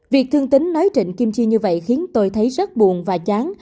việc thương tính nói trịnh kim chi như vậy khiến tôi thấy rất buồn và chán